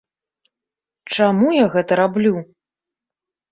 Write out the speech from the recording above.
Чаму я гэта раблю?